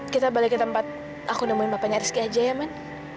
kita balik ke tempat aku nemuin bapaknya rizky aja ya man